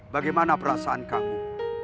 bagaimana perasaan kamu